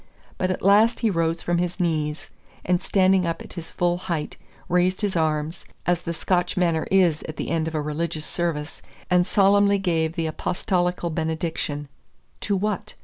But at last he rose from his knees, and standing up at his full height, raised his arms, as the Scotch manner is at the end of a religious service, and solemnly gave the apostolical benediction, to what?